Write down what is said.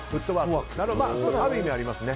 ある意味、ありますね。